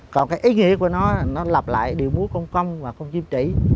còn cái ý nghĩa của nó nó lặp lại điệu múa công công và công duyên trị